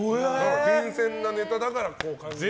新鮮なネタだから感じれる。